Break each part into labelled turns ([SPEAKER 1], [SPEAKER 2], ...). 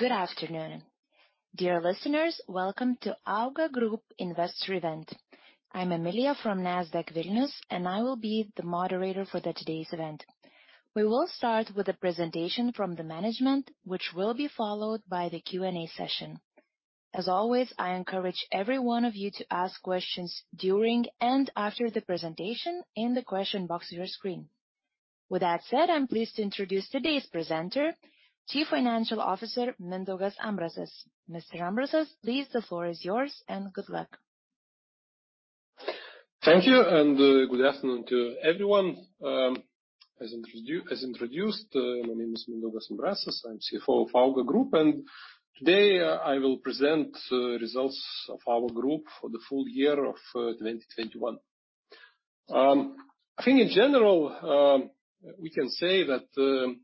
[SPEAKER 1] Good afternoon. Dear listeners, welcome to AUGA Group Investor Event. I'm Emilia from Nasdaq Vilnius, and I will be the moderator for today's event. We will start with a presentation from the management, which will be followed by the Q&A session. As always, I encourage every one of you to ask questions during and after the presentation in the question box of your screen. With that said, I'm pleased to introduce today's presenter, Chief Financial Officer Mindaugas Ambrasas. Mr. Ambrasas, please, the floor is yours, and good luck.
[SPEAKER 2] Thank you and good afternoon to everyone. As introduced, my name is Mindaugas Ambrasas. I'm CFO of AUGA Group. Today I will present the results of AUGA Group for the full year of 2021. I think in general, we can say that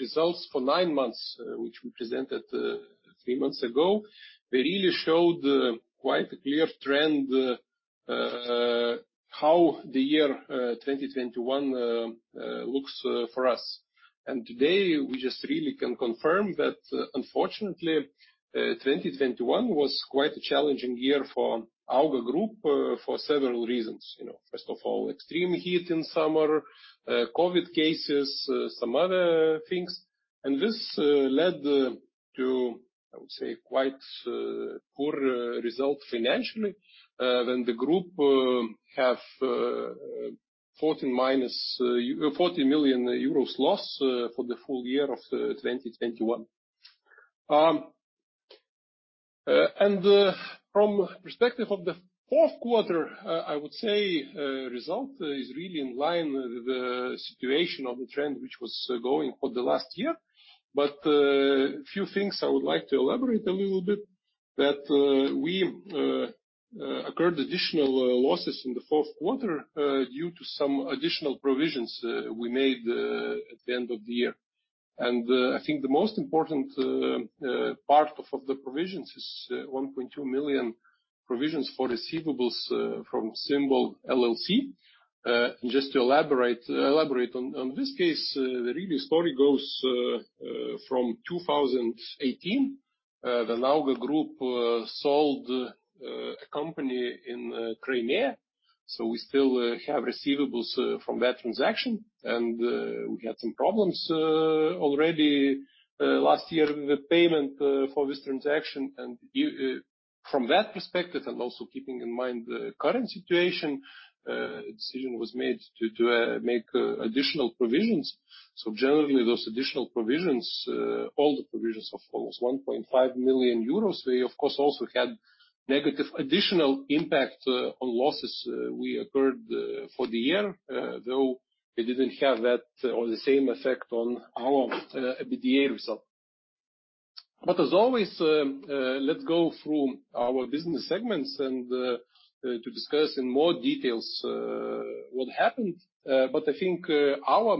[SPEAKER 2] results for nine months, which we presented three months ago, they really showed quite a clear trend how the year 2021 looks for us. Today, we just really can confirm that, unfortunately, 2021 was quite a challenging year for AUGA Group for several reasons. You know, first of all, extreme heat in summer, COVID cases, some other things. This led to, I would say, quite poor result financially when the group have 14 minus... 40 million euros loss for the full year of 2021. From the perspective of the fourth quarter, I would say the result is really in line with the situation of the trend which was going for the last year. A few things I would like to elaborate a little bit, that we incurred additional losses in the fourth quarter due to some additional provisions we made at the end of the year. I think the most important part of the provisions is 1.2 million provisions for receivables from Symbol LLC. Just to elaborate on this case, the real story goes from 2018 when AUGA Group sold a company in Crimea. We still have receivables from that transaction. We had some problems already last year with payment for this transaction. From that perspective, and also keeping in mind the current situation, a decision was made to make additional provisions. Generally those additional provisions, all the provisions of almost 1.5 million euros, they of course also had negative additional impact on losses we incurred for the year, though they didn't have that or the same effect on our EBITDA result. As always, let's go through our business segments and to discuss in more details what happened. I think our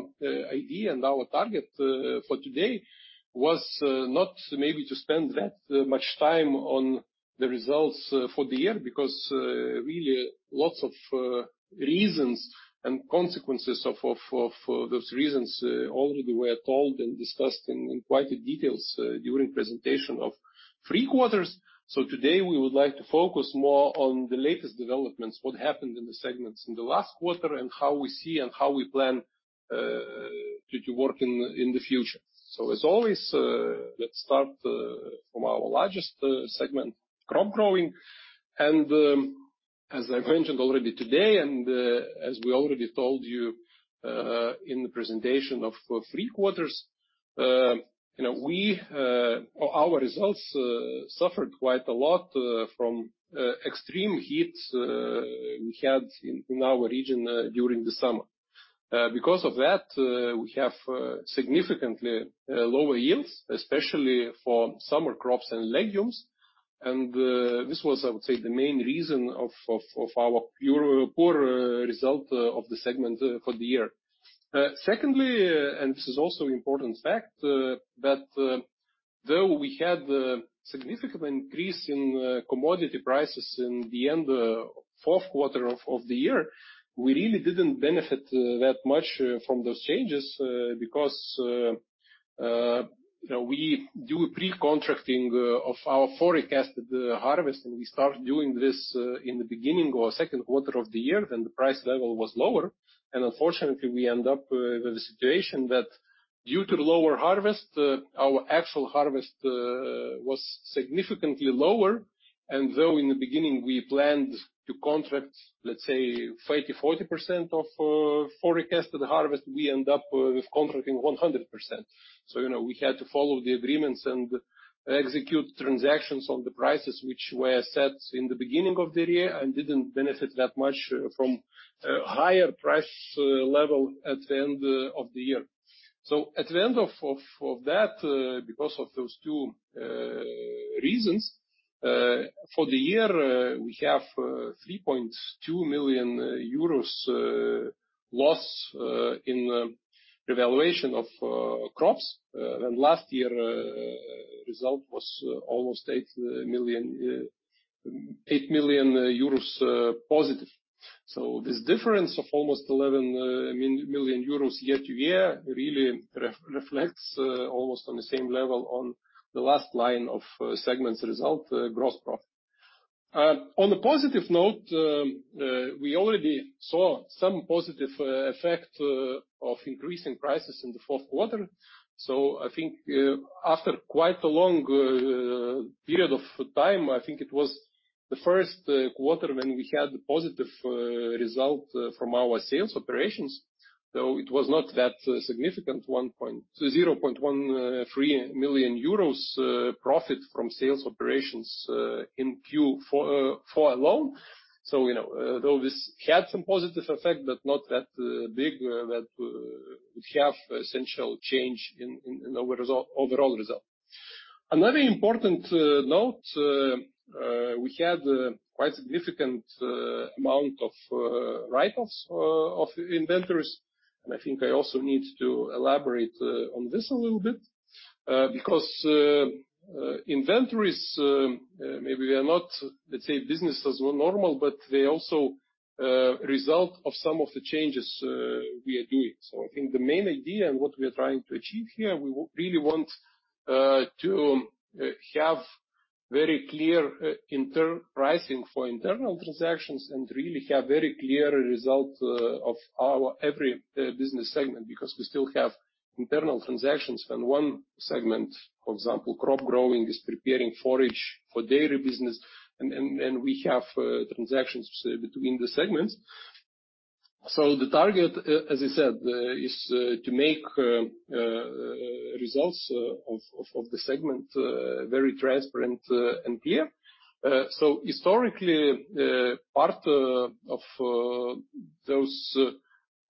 [SPEAKER 2] idea and our target for today was not maybe to spend that much time on the results for the year because really lots of reasons and consequences of those reasons already were told and discussed in quite a detail during presentation of three quarters. Today we would like to focus more on the latest developments, what happened in the segments in the last quarter, and how we see and how we plan to work in the future. As always, let's start from our largest segment, Crop Growing. As I mentioned already today, and as we already told you in the presentation of three quarters, you know, we... Our results suffered quite a lot from extreme heat we had in our region during the summer. Because of that, we have significantly lower yields, especially for summer crops and legumes. This was, I would say, the main reason of our poor result of the segment for the year. Secondly, this is also important fact that though we had significant increase in commodity prices in the end fourth quarter of the year, we really didn't benefit that much from those changes because you know, we do pre-contracting of our forecasted harvest. We start doing this in the beginning or second quarter of the year when the price level was lower. Unfortunately, we end up with a situation that due to lower harvest our actual harvest was significantly lower. Though in the beginning we planned to contract, let's say 30%-40% of forecasted harvest, we end up with contracting 100%. You know, we had to follow the agreements and execute transactions on the prices which were set in the beginning of the year and didn't benefit that much from higher price level at the end of the year. At the end of that, because of those two reasons, for the year, we have 3.2 million euros loss in revaluation of crops. Last year result was almost +8 million. This difference of almost 11 million euros year-over-year really reflects almost on the same level on the last line of segment's result, gross profit. On a positive note, we already saw some positive effect of increasing prices in the fourth quarter. I think, after quite a long period of time, I think it was the first quarter when we had a positive result from our sales operations. Though it was not that significant, 0.13 million euros profit from sales operations in Q4 alone. You know, though this had some positive effect, but not that big that we have essential change in our overall result. Another important note, we had a quite significant amount of write-offs of inventories. I think I also need to elaborate on this a little bit, because inventories, maybe they are not, let's say business as normal, but they also result of some of the changes we are doing. I think the main idea and what we are trying to achieve here, we really want to have very clear internal pricing for internal transactions and really have very clear result of our every business segment. Because we still have internal transactions when one segment, for example, crop growing is preparing forage for dairy business, and we have transactions between the segments. The target, as I said, is to make results of the segment very transparent and clear. Historically, part of those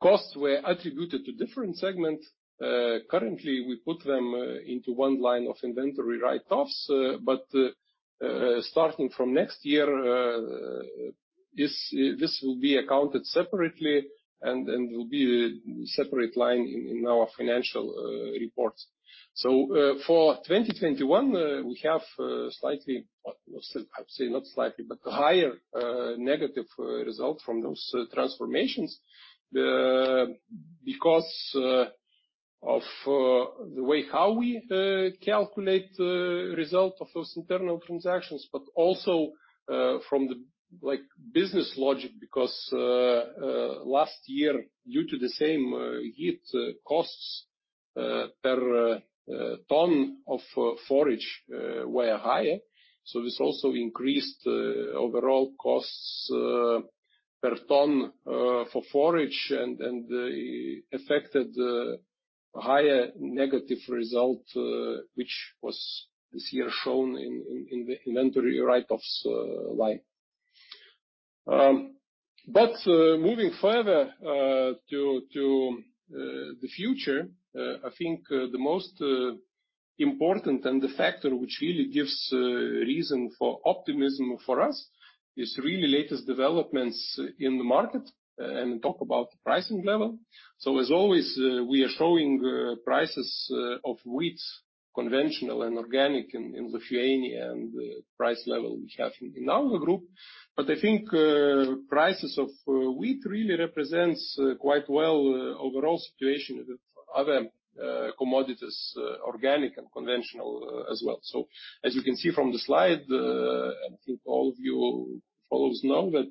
[SPEAKER 2] costs were attributed to different segments. Currently we put them into one line of inventory write-offs. Starting from next year, this will be accounted separately and will be a separate line in our financial reports. For 2021, we have slightly, I'd say not slightly, but higher negative result from those transformations. Because of the way how we calculate the result of those internal transactions, but also from the, like, business logic. Because last year, due to the same high costs per ton of forage were higher. This also increased overall costs per ton for forage and affected the higher negative result which was this year shown in the inventory write-offs line. Moving further to the future, I think the most important and the factor which really gives reason for optimism for us is really latest developments in the market and talk about the pricing level. As always, we are showing prices of wheat, conventional and organic in Lithuania, and the price level we have in AUGA Group. I think prices of wheat really represents quite well overall situation with other commodities, organic and conventional, as well. As you can see from the slide, I think all of you follows now that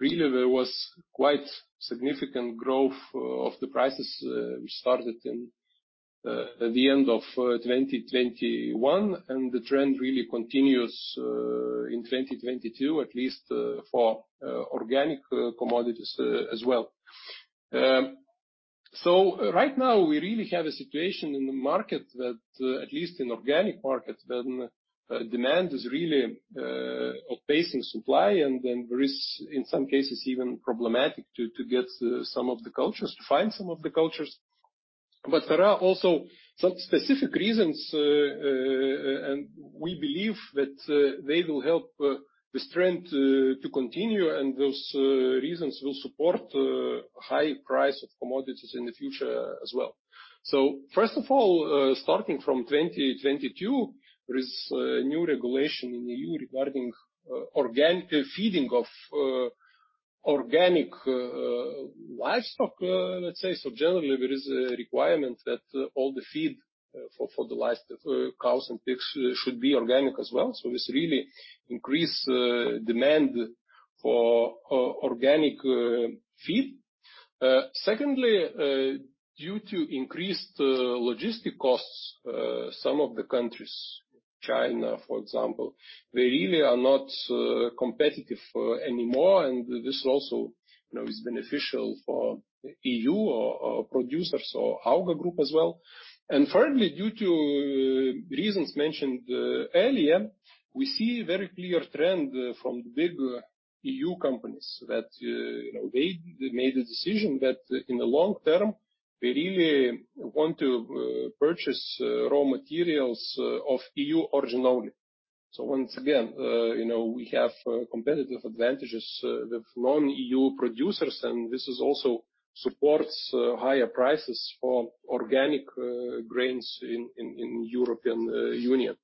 [SPEAKER 2] really there was quite significant growth of the prices, which started in the end of 2021. The trend really continues in 2022, at least for organic commodities as well. Right now we really have a situation in the market that at least in organic markets, the demand is really outpacing supply. There is in some cases it is even problematic to get some of the crops, to find some of the crops. There are also some specific reasons and we believe that they will help this trend to continue, and those reasons will support high price of commodities in the future as well. First of all, starting from 2022, there is a new regulation in EU regarding organic feeding of organic livestock, let's say. Generally, there is a requirement that all the feed for the livestock, cows and pigs, should be organic as well. This really increase demand for organic feed. Secondly, due to increased logistics costs, some of the countries, China, for example, they really are not competitive anymore. This also, you know, is beneficial for EU or producers or AUGA Group as well. Thirdly, due to reasons mentioned earlier, we see a very clear trend from big EU companies that, you know, they made a decision that in the long term, they really want to purchase raw materials of EU origin only. Once again, you know, we have competitive advantages with non-EU producers, and this is also supports higher prices for organic grains in European Union.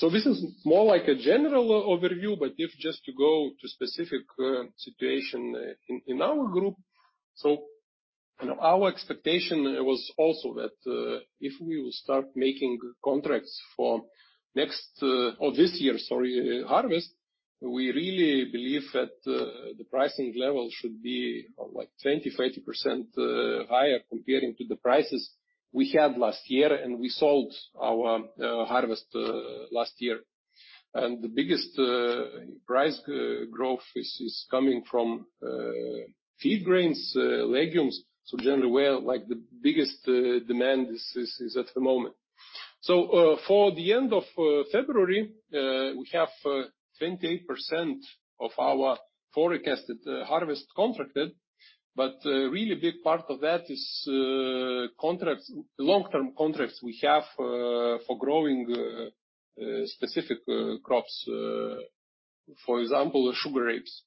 [SPEAKER 2] This is more like a general overview, but if just to go to specific situation in our group. Our expectation was also that if we will start making contracts for next or this year, sorry, harvest, we really believe that the pricing level should be like 20%-30% higher comparing to the prices we had last year, and we sold our harvest last year. The biggest price growth is coming from feed grains, legumes. Generally, where like the biggest demand is at the moment. For the end of February, we have 28% of our forecasted harvest contracted. A really big part of that is contracts, long-term contracts we have for growing specific crops, for example, sugar beets.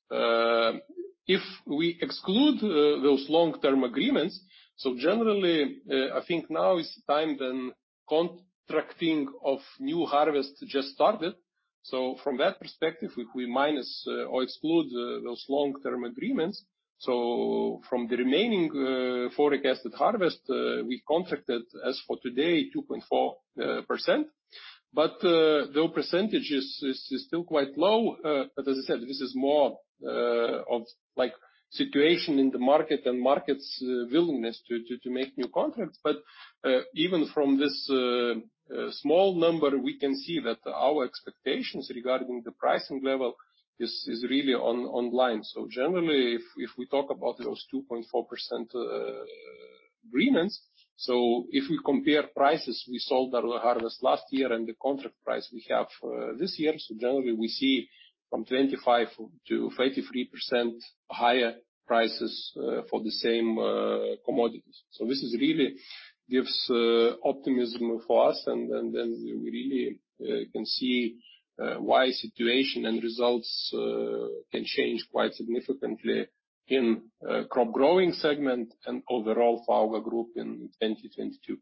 [SPEAKER 2] If we exclude those long-term agreements, generally, I think now is the time when contracting of new harvest just started. From that perspective, we minus or exclude those long-term agreements. From the remaining forecasted harvest, we contracted, as for today, 2.4%. Though percentage is still quite low, as I said, this is more of like situation in the market and market's willingness to make new contracts. Even from this small number, we can see that our expectations regarding the pricing level is really online. Generally, we talk about those 2.4% agreements. If we compare prices, we sold our harvest last year and the contract price we have for this year. Generally we see 25%-33% higher prices for the same commodities. This really gives optimism for us. We really can see why situation and results can change quite significantly in crop growing segment and overall for our group in 2022.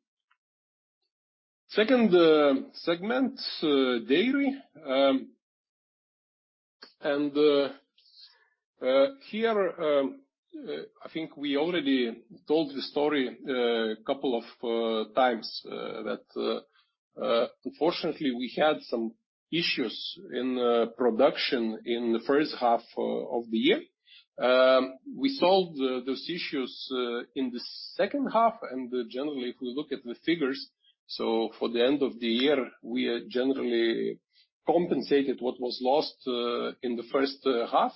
[SPEAKER 2] Second segment, dairy. Here, I think we already told the story a couple of times that unfortunately we had some issues in production in the first half of the year. We solved those issues in the second half. Generally, if we look at the figures, for the end of the year, we generally compensated what was lost in the first half.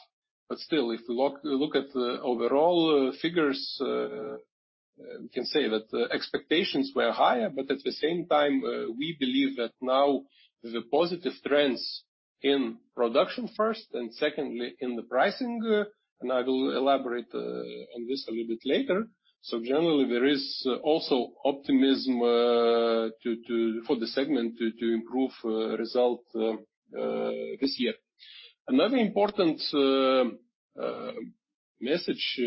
[SPEAKER 2] Still, if you look at the overall figures, we can say that expectations were higher. At the same time, we believe that now the positive trends in production first and secondly in the pricing. I will elaborate on this a little bit later. Generally, there is also optimism for the segment to improve result this year. Another important message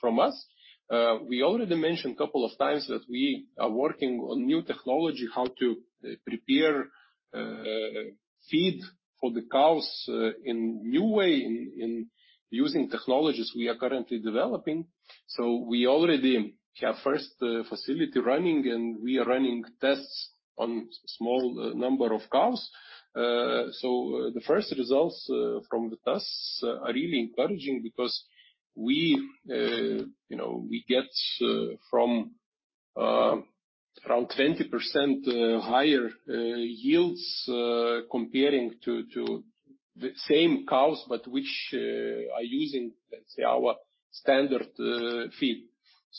[SPEAKER 2] from us, we already mentioned a couple of times that we are working on new technology, how to prepare feed for the cows in new way, in using technologies we are currently developing. We already have first facility running, and we are running tests on small number of cows. The first results from the tests are really encouraging because we, you know, we get around 20% higher yields comparing to the same cows, but which are using, let's say, our standard feed.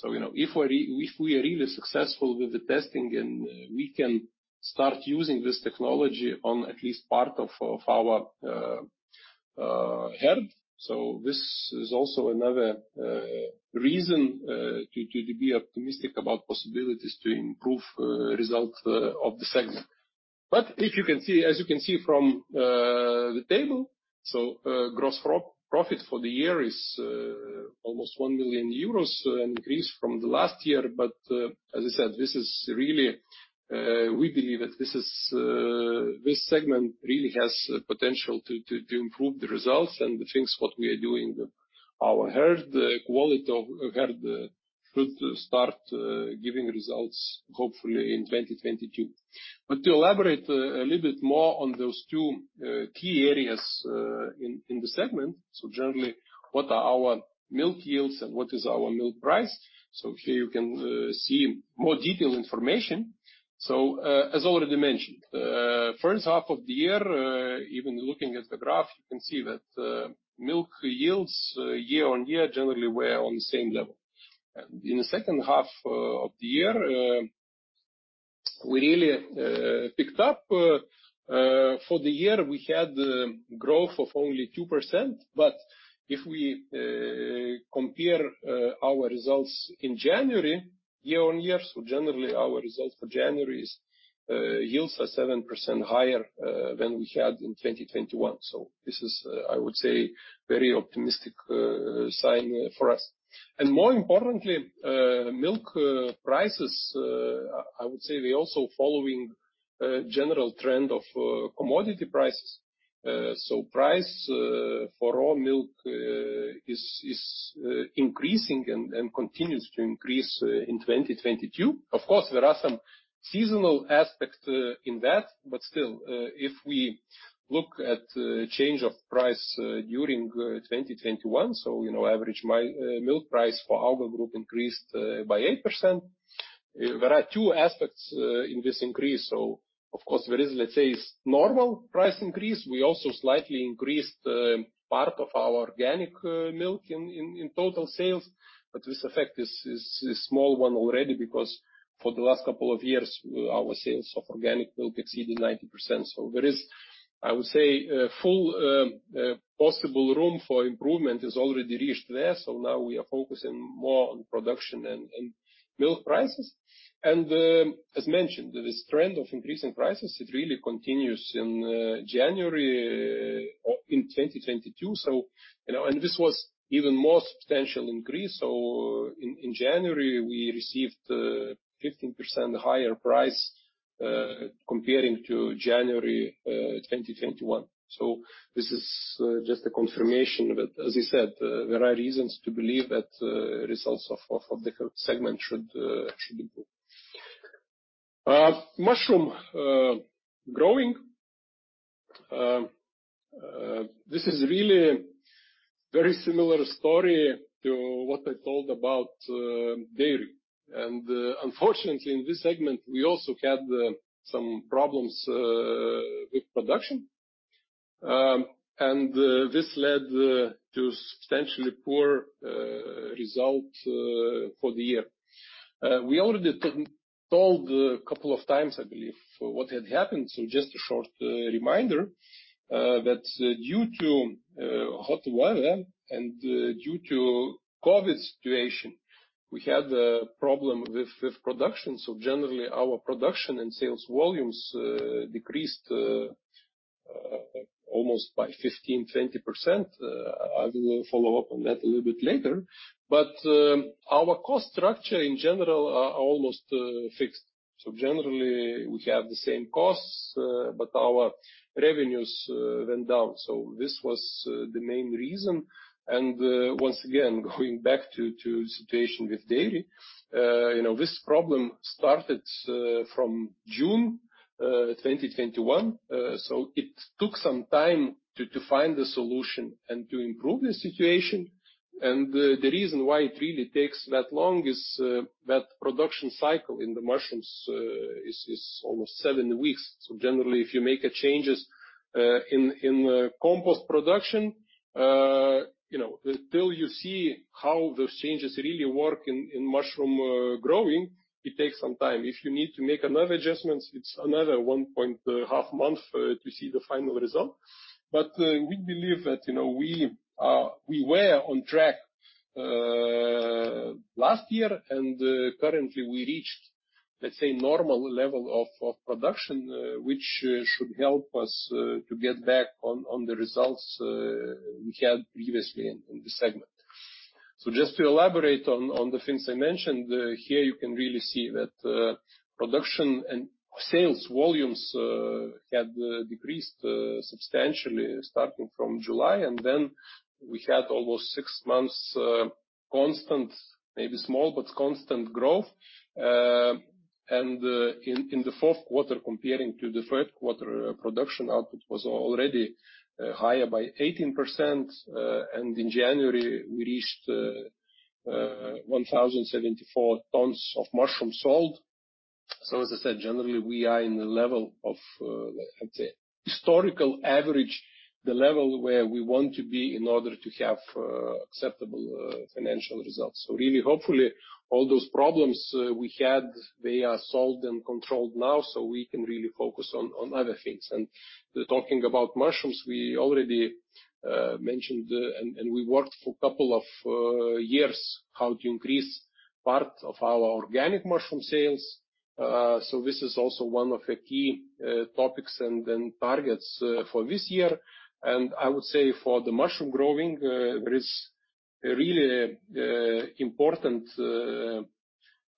[SPEAKER 2] You know, if we are really successful with the testing and we can start using this technology on at least part of our herd. This is also another reason to be optimistic about possibilities to improve results of the segment. But as you can see from the table. Gross profit for the year is almost 1 million euros increase from the last year. As I said, this is really, we believe that this is, this segment really has potential to improve the results and the things what we are doing our herd. The quality of herd should start giving results hopefully in 2022. To elaborate a little bit more on those two key areas, in the segment. Generally, what are our milk yields and what is our milk price? Here you can see more detailed information. As already mentioned, first half of the year, even looking at the graph, you can see that milk yields year-over-year generally were on the same level. In the second half of the year, we really picked up. For the year, we had growth of only 2%. If we compare our results in January year-over-year. Generally our results for January is yields are 7% higher than we had in 2021. This is, I would say, very optimistic sign for us. More importantly, milk prices, I would say they also following general trend of commodity prices. Price for raw milk is increasing and continues to increase in 2022. Of course, there are some seasonal aspect in that. Still, if we look at change of price during 2021. You know, average milk price for AUGA Group increased by 8%. There are two aspects in this increase. Of course there is, let's say, normal price increase. We also slightly increased part of our organic milk in total sales. This effect is small one already because for the last couple of years our sales of organic milk exceeded 90%. There is, I would say, full possible room for improvement is already reached there. Now we are focusing more on production and milk prices. As mentioned, this trend of increasing prices, it really continues in January or in 2022. You know, and this was even more substantial increase. In January, we received 15% higher price comparing to January 2021. This is just a confirmation. As I said, there are reasons to believe that results of the segment should improve. Mushroom growing. This is really very similar story to what I told about dairy. Unfortunately, in this segment we also had some problems with production. This led to substantially poor result for the year. We already told a couple of times, I believe, what had happened. Just a short reminder that due to hot weather and due to COVID situation, we had a problem with production. Generally our production and sales volumes decreased almost by 15%-20%. I will follow up on that a little bit later. Our cost structure in general are almost fixed. Generally we have the same costs but our revenues went down. This was the main reason. Once again, going back to the situation with dairy, you know, this problem started from June 2021. It took some time to find a solution and to improve the situation. The reason why it really takes that long is that production cycle in the mushrooms is almost seven weeks. Generally if you make changes in compost production, you know, until you see how those changes really work in mushroom growing, it takes some time. If you need to make another adjustments, it's another one and a half months to see the final result. We believe that, you know, we were on track last year. Currently we reached, let's say, normal level of production. which should help us to get back on the results we had previously in this segment. Just to elaborate on the things I mentioned. Here you can really see that production and sales volumes had decreased substantially starting from July. Then we had almost six months constant, maybe small, but constant growth. In the fourth quarter, comparing to the third quarter, production output was already higher by 18%. In January we reached 1,074 tons of mushrooms sold. As I said, generally we are in the level of I'd say historical average. The level where we want to be in order to have acceptable financial results. Really hopefully all those problems we had, they are solved and controlled now, so we can really focus on other things. Talking about mushrooms, we already mentioned and we worked for couple of years how to increase part of our organic mushroom sales. This is also one of the key topics and then targets for this year. I would say for the mushroom growing, there is really important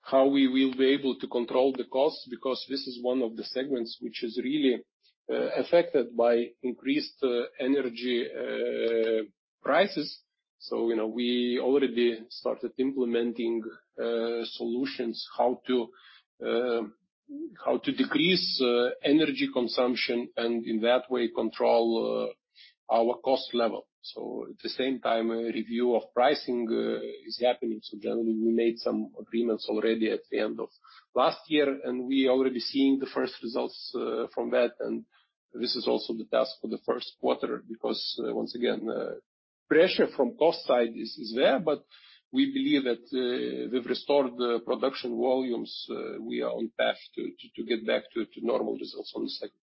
[SPEAKER 2] how we will be able to control the costs. Because this is one of the segments which is really affected by increased energy prices. You know, we already started implementing solutions how to decrease energy consumption and in that way control our cost level. At the same time a review of pricing is happening. Generally we made some agreements already at the end of last year. We're already seeing the first results from that. This is also the task for the first quarter, because once again, pressure from the cost side is there. We believe that we've restored the production volumes. We are on track to get back to normal results on this segment.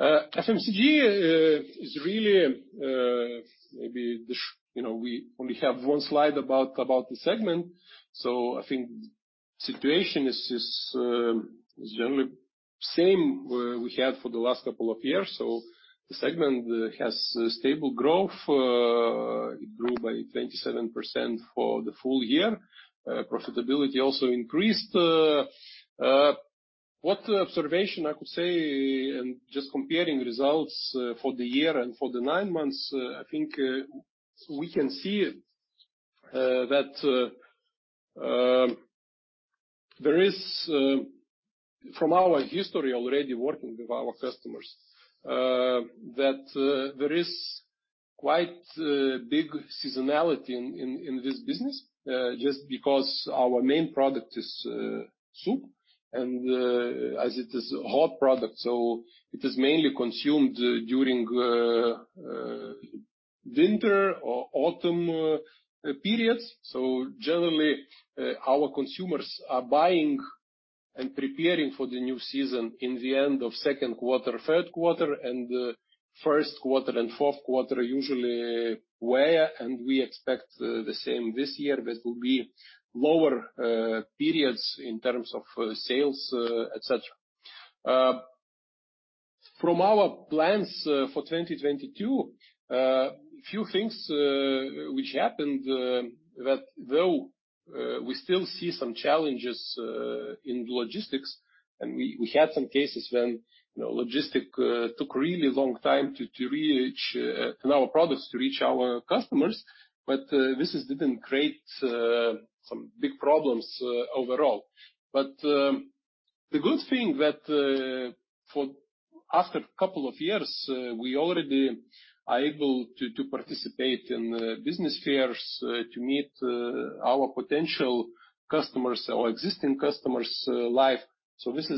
[SPEAKER 2] FMCG is really, maybe the. You know, we only have one slide about the segment. I think the situation is generally the same as we had for the last couple of years. The segment has stable growth. It grew by 27% for the full year. Profitability also increased. What observation I could say, and just comparing results for the year and for the nine months, I think we can see that there is, from our history already working with our customers, that there is quite big seasonality in this business. Just because our main product is soup, and as it is a hot product, so it is mainly consumed during winter or autumn periods. Generally, our consumers are buying and preparing for the new season in the end of second quarter, third quarter, and the first quarter and fourth quarter are usually weaker, and we expect the same this year. That will be lower periods in terms of sales, etc. From our plans for 2022, few things which happened that though we still see some challenges in logistics. We had some cases when, you know, logistics took really long time to reach and our products to reach our customers. This didn't create some big problems overall. The good thing that after couple of years we already are able to participate in the business fairs to meet our potential customers or existing customers live. This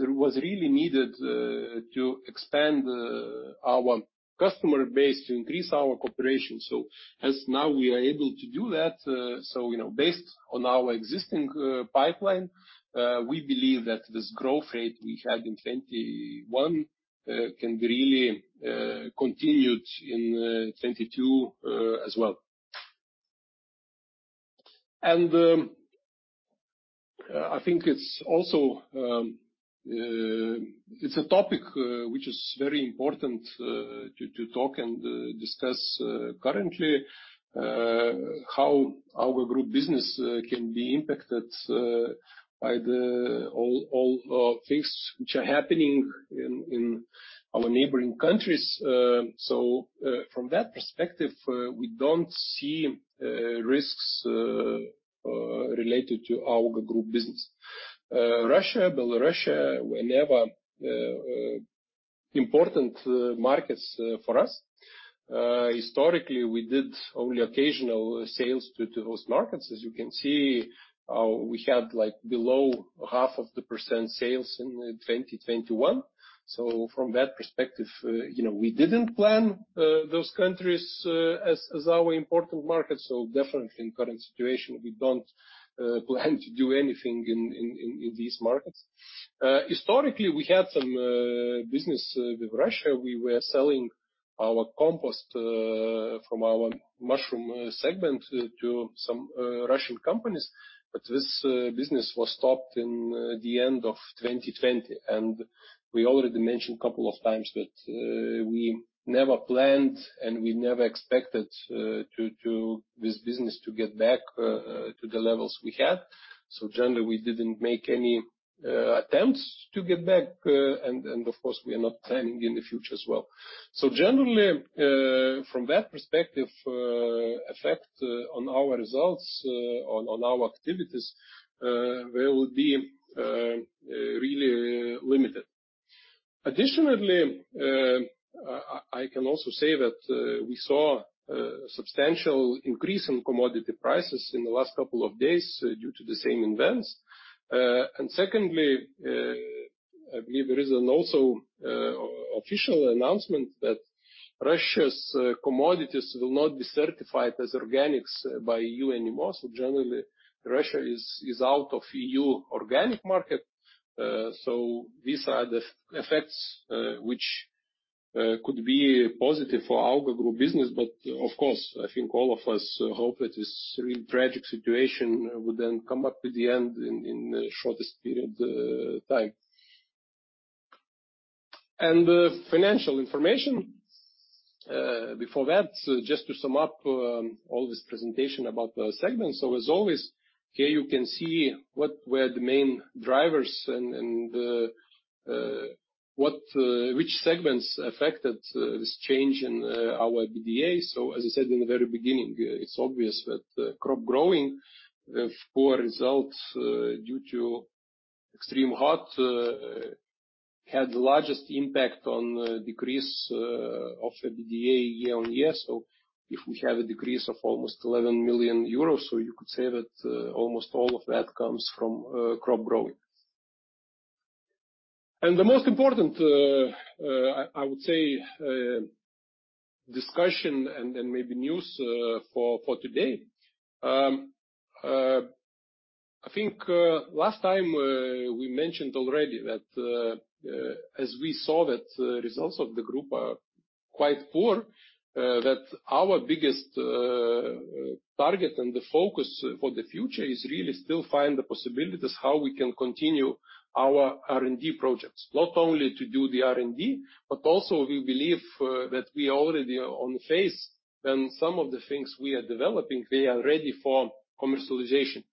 [SPEAKER 2] was really needed to expand our customer base, to increase our cooperation. As of now, we are able to do that. You know, based on our existing pipeline, we believe that this growth rate we had in 2021 can really continued in 2022 as well. I think it's also a topic which is very important to talk and discuss currently. How our group business can be impacted by all the things which are happening in our neighboring countries. From that perspective, we don't see risks related to our group business. Russia, Belarus were never important markets for us. Historically, we did only occasional sales to those markets. As you can see, we had like below 0.5% sales in 2021. From that perspective, you know, we didn't plan those countries as our important market. Definitely in current situation, we don't plan to do anything in these markets. Historically, we had some business with Russia. We were selling our compost from our mushroom segment to some Russian companies. This business was stopped in the end of 2020. We already mentioned couple of times that we never planned and we never expected to this business to get back to the levels we had. Generally, we didn't make any attempts to get back. Of course, we are not planning in the future as well. Generally, from that perspective, effect on our results on our activities will be really limited. Additionally, I can also say that we saw a substantial increase in commodity prices in the last couple of days due to the same events. Secondly, I believe there is also an official announcement that Russia's commodities will not be certified as organics by EU anymore. Generally, Russia is out of EU organic market. These are the effects which could be positive for our group business. But of course, I think all of us hope that this really tragic situation would then come to an end in the shortest period of time. Financial information. Before that, just to sum up, all this presentation about the segments. As always, here you can see what were the main drivers and which segments affected this change in our EBITDA. As I said in the very beginning, it's obvious that crop growing, the poor results due to extreme heat, had the largest impact on the decrease of the EBITDA year-over-year. If we have a decrease of almost 11 million euros, you could say that almost all of that comes from crop growing. The most important, I would say, discussion and then maybe news, for today. I think, last time, we mentioned already that, as we saw that results of the group are quite poor, that our biggest target and the focus for the future is really still find the possibilities how we can continue our R&D projects. Not only to do the R&D, but also we believe that we already are on phase, and some of the things we are developing, they are ready for commercialization.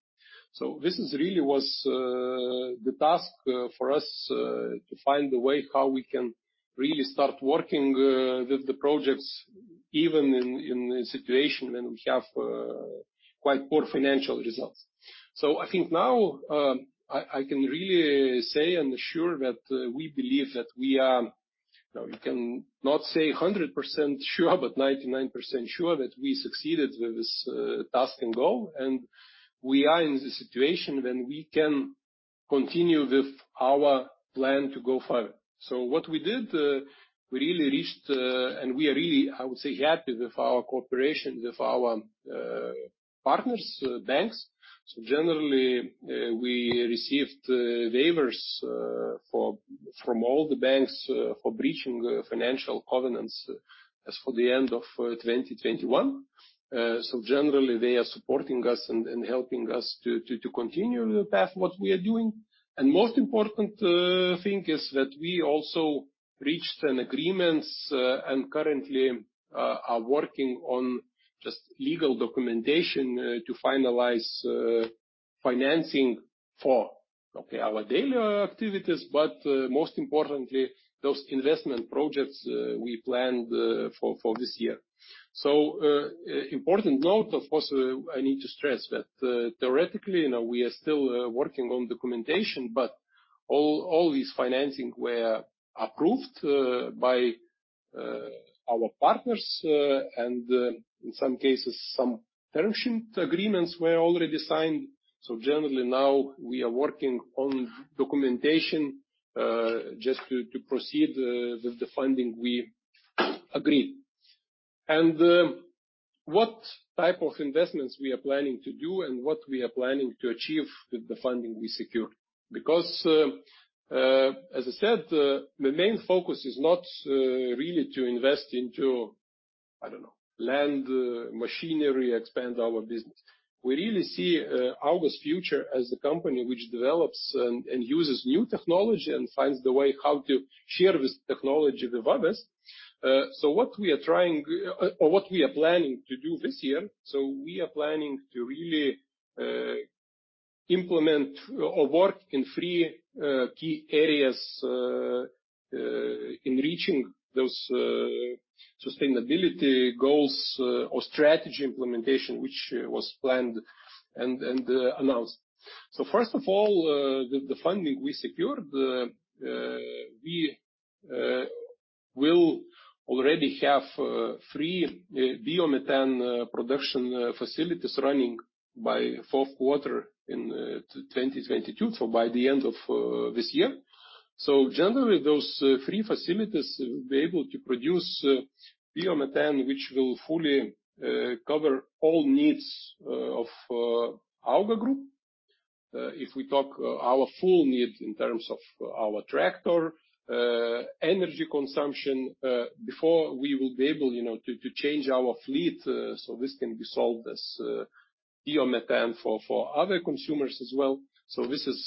[SPEAKER 2] This is really was, the task, for us, to find a way how we can really start working with the projects even in a situation when we have quite poor financial results. I think now I can really say and assure that we believe that we are. You know, we can not say 100% sure, but 99% sure that we succeeded with this task and goal. We are in the situation when we can continue with our plan to go further. What we did, we really reached, and we are really, I would say, happy with our cooperation with our partners, banks. Generally, we received waivers from all the banks for breaching financial covenants as of the end of 2021. Generally, they are supporting us and helping us to continue the path what we are doing. Most important thing is that we also reached agreements and currently are working on just legal documentation to finalize financing for our daily activities, but most importantly, those investment projects we planned for this year. Important note, of course, I need to stress that theoretically, you know, we are still working on documentation, but all these financing were approved by our partners and in some cases, some term sheet agreements were already signed. Generally now we are working on documentation just to proceed with the funding we agreed. What type of investments we are planning to do and what we are planning to achieve with the funding we secured. Because, as I said, the main focus is not really to invest into, I don't know, land, machinery, expand our business. We really see AUGA's future as a company which develops and uses new technology and finds the way how to share this technology with others. What we are trying or what we are planning to do this year, so we are planning to really implement or work in three key areas in reaching those sustainability goals or strategy implementation, which was planned and announced. First of all, the funding we secured, we will already have three biomethane production facilities running by fourth quarter in 2022. By the end of this year. Generally, those three facilities will be able to produce biomethane, which will fully cover all needs of AUGA Group. If we talk our full needs in terms of our tractor energy consumption before we will be able, you know, to change our fleet. This can be sold as biomethane for other consumers as well. This is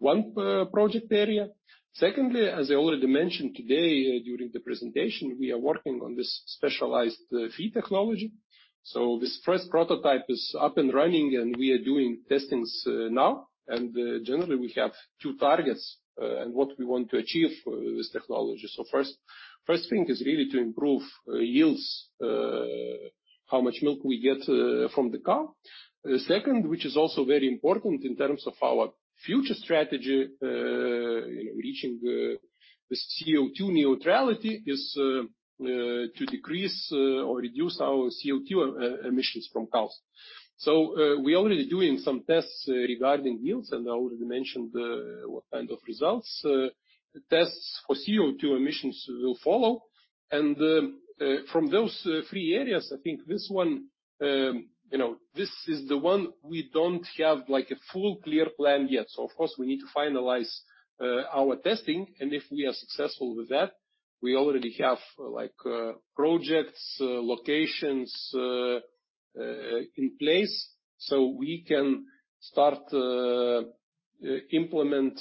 [SPEAKER 2] one project area. Secondly, as I already mentioned today during the presentation, we are working on this specialized feed technology. This first prototype is up and running, and we are doing testings now. Generally, we have two targets and what we want to achieve with this technology. First thing is really to improve yields. How much milk we get from the cow. The second, which is also very important in terms of our future strategy, reaching the CO₂ neutrality, is to decrease or reduce our CO₂ emissions from cows. We're already doing some tests regarding yields, and I already mentioned what kind of results. Tests for CO₂ emissions will follow. From those three areas, I think this one, you know, this is the one we don't have, like, a full clear plan yet. Of course, we need to finalize our testing. If we are successful with that, we already have, like, projects, locations in place, so we can start implement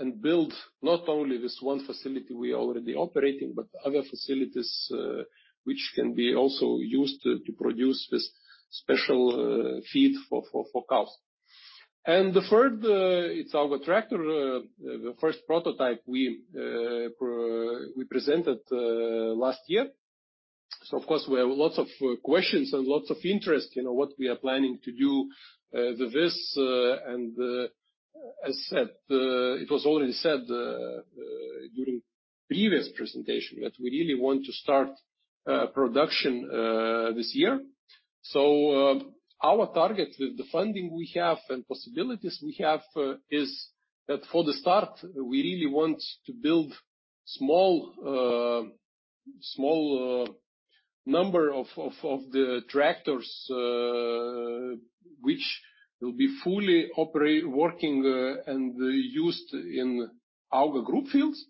[SPEAKER 2] and build not only this one facility we already operating, but other facilities, which can be also used to produce this special feed for cows. The third, it's AUGA tractor, the first prototype we presented last year. Of course, we have lots of questions and lots of interest, you know, what we are planning to do with this. As said, it was already said during previous presentation that we really want to start production this year. Our target with the funding we have and possibilities we have is that for the start, we really want to build small number of the tractors, which will be fully working and used in AUGA Group fields.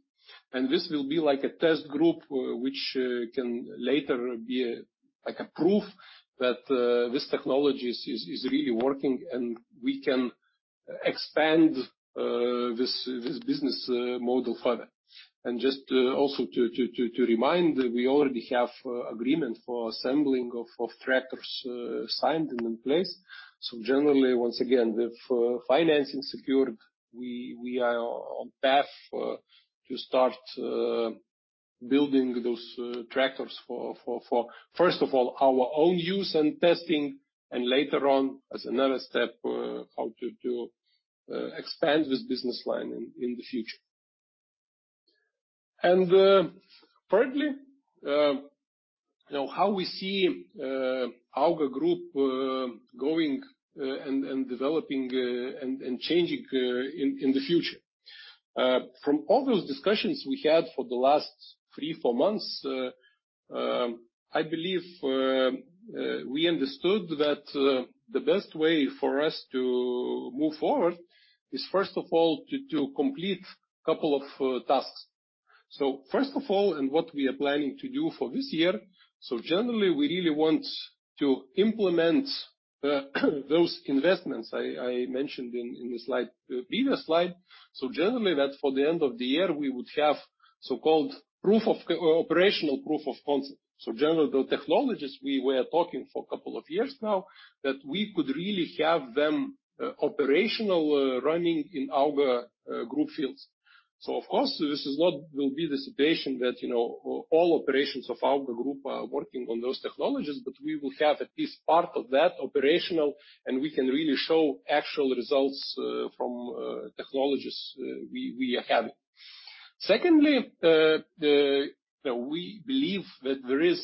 [SPEAKER 2] This will be like a test group, which can later be, like, a proof that this technology is really working and we can expand this business model further. Just also to remind, we already have agreement for assembling of tractors signed and in place. Generally, once again, with financing secured, we are on path to start building those tractors for first of all our own use and testing and later on as another step, how to expand this business line in the future. Thirdly, you know, how we see AUGA Group going and developing and changing in the future. From all those discussions we had for the last 3-4 months, I believe we understood that the best way for us to move forward is first of all to complete couple of tasks. First of all, what we are planning to do for this year, generally we really want to implement those investments I mentioned in the previous slide. Generally, by the end of the year we would have so-called operational proof of concept. Generally, the technologies we were talking about for a couple of years now, that we could really have them operational running in AUGA Group fields. Of course, this will not be the situation that, you know, all operations of AUGA Group are working on those technologies, but we will have at least part of that operational, and we can really show actual results from technologies we are having. Secondly, the... We believe that there is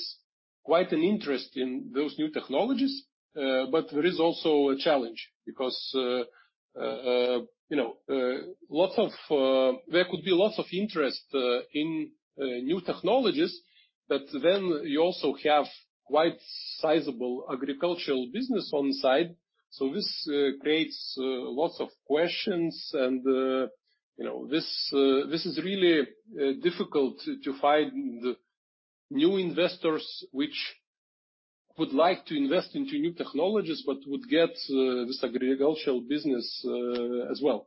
[SPEAKER 2] quite an interest in those new technologies, but there is also a challenge because, you know, there could be lots of interest in new technologies, but then you also have quite sizable agricultural business on the side. This creates lots of questions and, you know, this is really difficult to find new investors which would like to invest into new technologies but would get this agricultural business as well.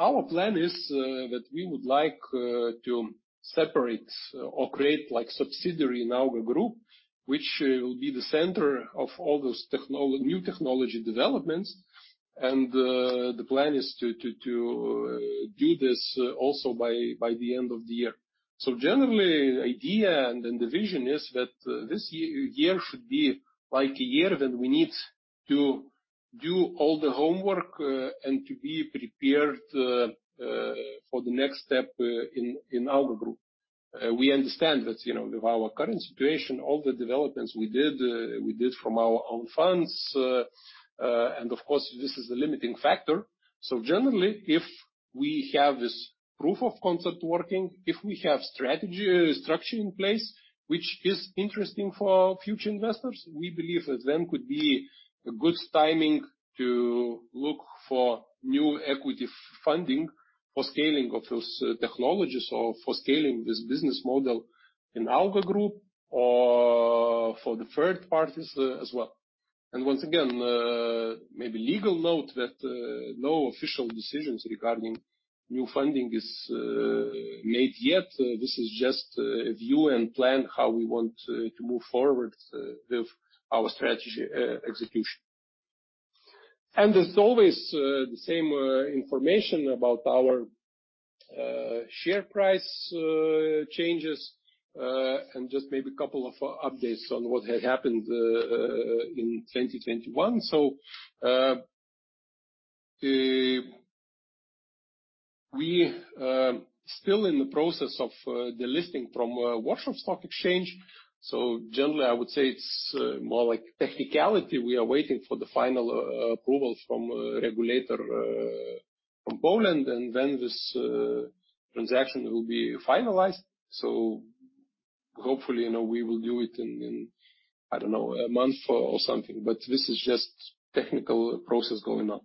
[SPEAKER 2] Our plan is that we would like to separate or create like subsidiary in AUGA Group, which will be the center of all those new technology developments. The plan is to do this also by the end of the year. Generally, the idea and the vision is that this year should be like a year that we need to do all the homework and to be prepared for the next step in AUGA Group. We understand that, you know, with our current situation, all the developments we did, we did from our own funds and of course, this is a limiting factor. Generally, if we have this proof of concept working, if we have strategy, structure in place, which is interesting for future investors, we believe that then could be a good timing to look for new equity funding for scaling of those technologies or for scaling this business model in AUGA Group or for the third parties, as well. Once again, maybe legal note that no official decisions regarding new funding is made yet. This is just a view and plan how we want to move forward with our strategy execution. As always, the same information about our share price changes. Just maybe a couple of updates on what had happened in 2021. We are still in the process of delisting from Warsaw Stock Exchange. Generally, I would say it's more like technicality. We are waiting for the final approval from regulator from Poland, and then this transaction will be finalized. Hopefully, you know, we will do it in I don't know a month or something. This is just technical process going on.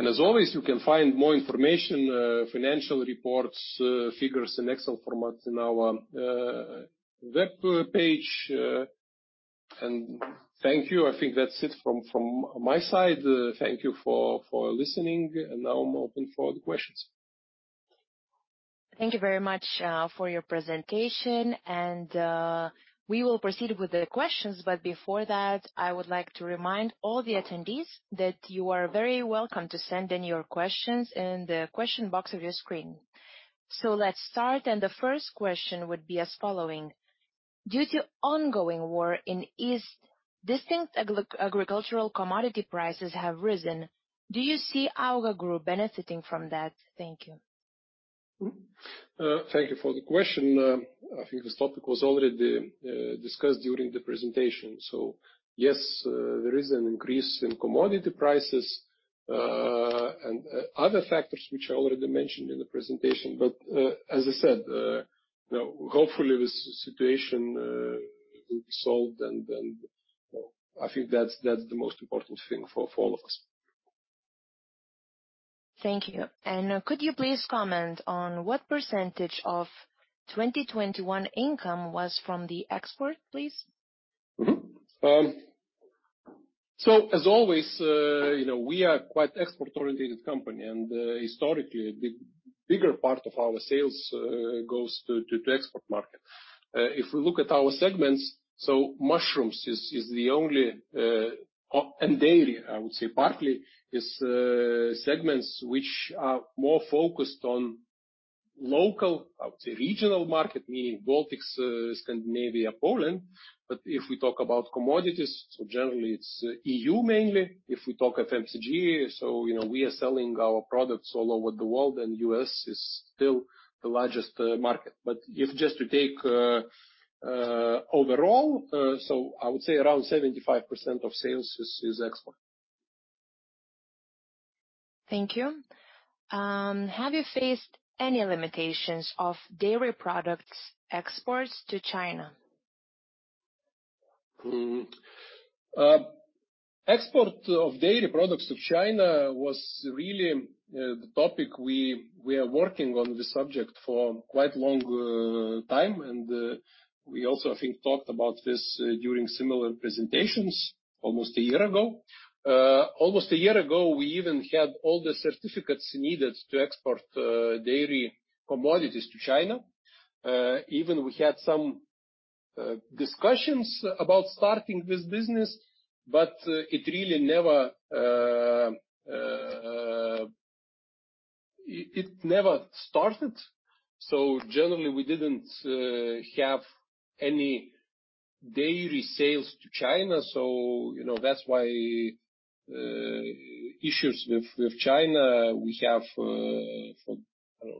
[SPEAKER 2] As always, you can find more information, financial reports, figures in Excel format in our web page, and thank you. I think that's it from my side. Thank you for listening, and now I'm open for the questions.
[SPEAKER 1] Thank you very much for your presentation. We will proceed with the questions. Before that, I would like to remind all the attendees that you are very welcome to send in your questions in the question box of your screen. Let's start, and the first question would be as follows: Due to ongoing war in East, distinct agricultural commodity prices have risen. Do you see AUGA Group benefiting from that? Thank you.
[SPEAKER 2] Thank you for the question. I think this topic was already discussed during the presentation. Yes, there is an increase in commodity prices and other factors which I already mentioned in the presentation. As I said, you know, hopefully this situation will be solved and I think that's the most important thing for all of us.
[SPEAKER 1] Thank you. Could you please comment on what percentage of 2021 income was from the export, please?
[SPEAKER 2] As always, you know, we are quite export-oriented company, and historically, the bigger part of our sales goes to export market. If we look at our segments, mushrooms is the only, and dairy, I would say, partly is segments which are more focused on local, I would say, regional market, meaning Baltics, Scandinavia, Poland. If we talk about commodities, generally it's EU mainly. If we talk of FMCG, you know, we are selling our products all over the world, and U.S. is still the largest market. If just to take overall, I would say around 75% of sales is export.
[SPEAKER 1] Thank you. Have you faced any limitations of dairy products exports to China?
[SPEAKER 2] Export of dairy products to China was really the topic we are working on this subject for quite long time. We also, I think, talked about this during similar presentations almost a year ago. Almost a year ago, we even had all the certificates needed to export dairy commodities to China. We even had some discussions about starting this business, but it really never started. Generally, we didn't have any dairy sales to China. You know, that's why issues with China we have for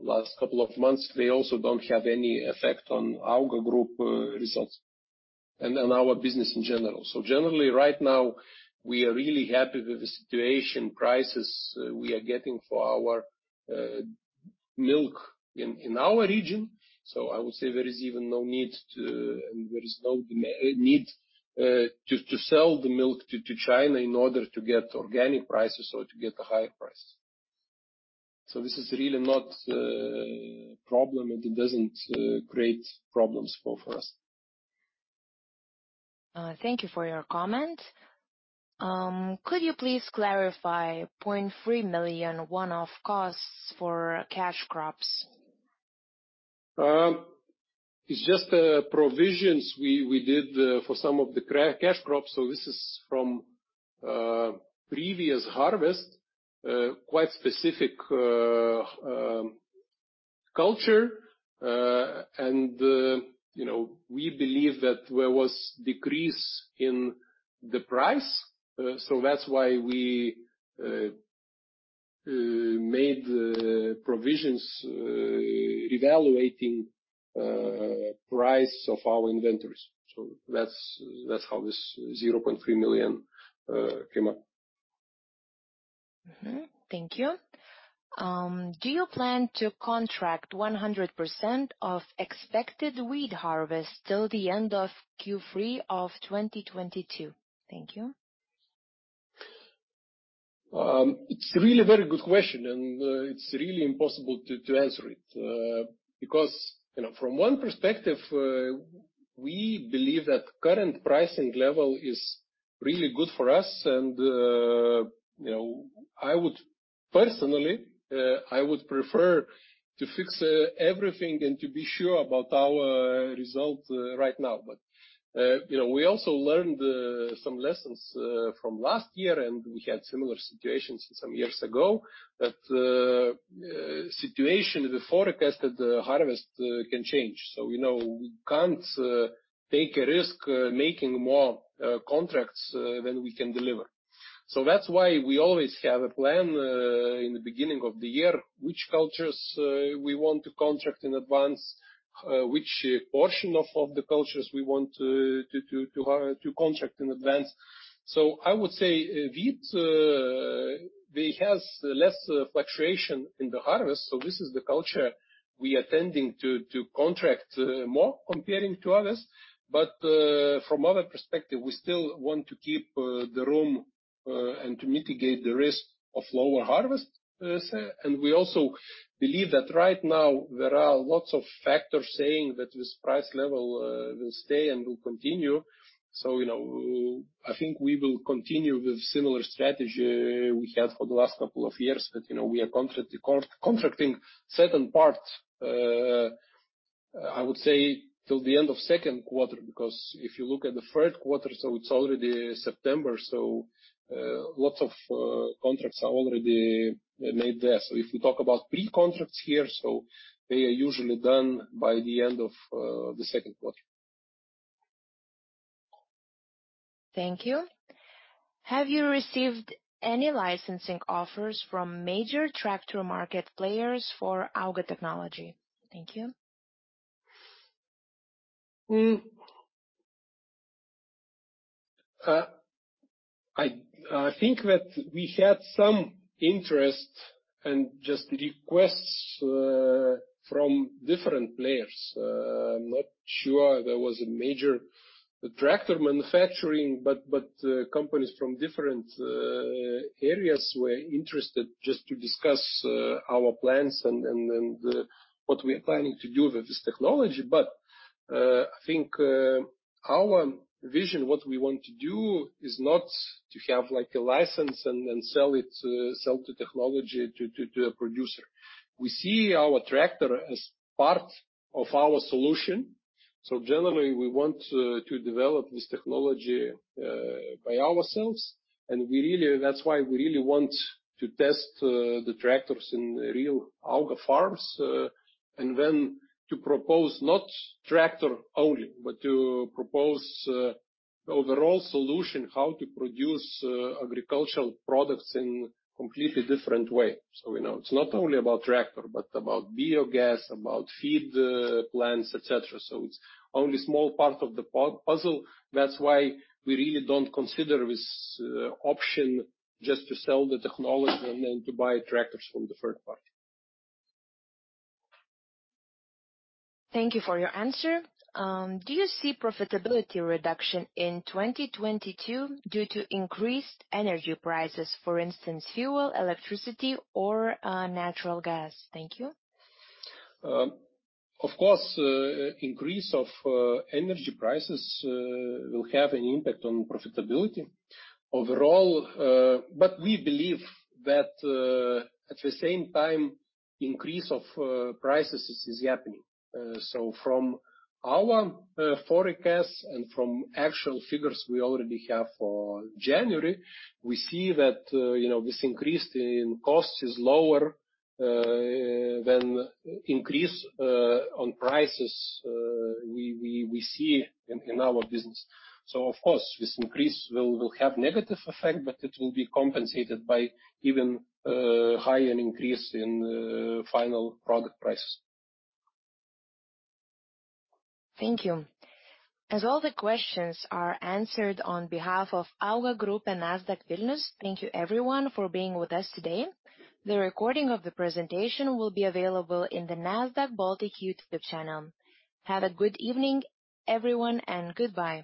[SPEAKER 2] last couple of months, they also don't have any effect on AUGA Group results and on our business in general. Generally, right now, we are really happy with the situation prices we are getting for our milk in our region. I would say there is even no need to sell the milk to China in order to get organic prices or to get a higher price. This is really not a problem, and it doesn't create problems for us.
[SPEAKER 1] Thank you for your comment. Could you please clarify 0.3 million one-off costs for cash crops?
[SPEAKER 2] It's just provisions we did for some of the cash crops. This is from previous harvest, quite specific culture. You know, we believe that there was decrease in the price. That's why we made provisions reevaluating price of our inventories. That's how this 0.3 million came up.
[SPEAKER 1] Thank you. Do you plan to contract 100% of expected wheat harvest till the end of Q3 of 2022? Thank you.
[SPEAKER 2] It's really very good question, and it's really impossible to answer it. Because, you know, from one perspective, we believe that current pricing level is really good for us. You know, I would personally, I would prefer to fix everything and to be sure about our result right now. You know, we also learned some lessons from last year, and we had similar situations some years ago, that situation, the forecasted harvest can change. We know we can't take a risk making more contracts than we can deliver. That's why we always have a plan in the beginning of the year, which cultures we want to contract in advance, which portion of the cultures we want to contract in advance. I would say wheat, it has less fluctuation in the harvest, so this is the culture we are tending to contract more comparing to others. From other perspective, we still want to keep the room and to mitigate the risk of lower harvest. We also believe that right now there are lots of factors saying that this price level will stay and will continue. You know, I think we will continue with similar strategy we had for the last couple of years. You know, we are contracting certain parts, I would say till the end of second quarter. Because if you look at the third quarter, it's already September, so lots of contracts are already made there. If we talk about pre-contracts here, so they are usually done by the end of the second quarter.
[SPEAKER 1] Thank you. Have you received any licensing offers from major tractor market players for AUGA technology? Thank you.
[SPEAKER 2] I think that we had some interest and just requests from different players. I'm not sure there was a major tractor manufacturer, but companies from different areas were interested just to discuss our plans and what we are planning to do with this technology. I think our vision, what we want to do is not to have like a license and sell the technology to a producer. We see our tractor as part of our solution. Generally, we want to develop this technology by ourselves. That's why we really want to test the tractors in real AUGA farms and then to propose not tractor only, but to propose overall solution how to produce agricultural products in completely different way. You know, it's not only about tractor, but about biogas, about feed, plants, et cetera. It's only a small part of the big puzzle. That's why we really don't consider this option just to sell the technology and then to buy tractors from the third party.
[SPEAKER 1] Thank you for your answer. Do you see profitability reduction in 2022 due to increased energy prices, for instance, fuel, electricity or natural gas? Thank you.
[SPEAKER 2] Of course, increase in energy prices will have an impact on profitability overall. We believe that, at the same time, increase in prices is happening. From our forecast and from actual figures we already have for January, we see that, you know, this increase in cost is lower than increase in prices we see in our business. Of course, this increase will have negative effect, but it will be compensated by even higher increase in final product prices.
[SPEAKER 1] Thank you. As all the questions are answered on behalf of AUGA Group and Nasdaq Vilnius, thank you everyone for being with us today. The recording of the presentation will be available in the Nasdaq Baltic YouTube channel. Have a good evening, everyone, and goodbye.